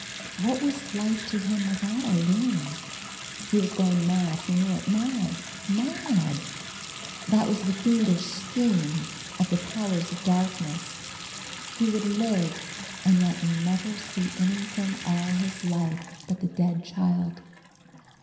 What was life to him without Aline. He was going mad. He knew it. Mad! Mad! That was the fiendish scheme of the powers of darkness. He would live and yet never see anything all his life but the dead child.